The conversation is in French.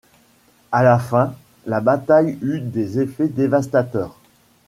À la fin, la bataille eut des effets dévastateurs.